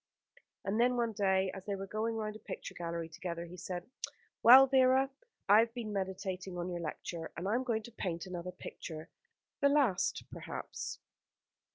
And then, one day, as they were going round a picture gallery together, he said: "Well, Vera, I have been meditating on your lecture; and I am going to paint another picture the last, perhaps."